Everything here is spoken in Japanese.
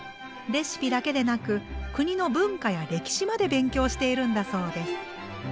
レシピだけでなく国の文化や歴史まで勉強しているんだそうです。